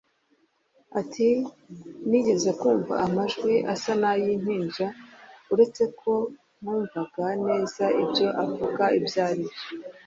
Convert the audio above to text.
Ati “nigeze kumva amajwi asa n’ay’impinja uretse ko ntumvaga neza ibyo avuga ibyo ari byo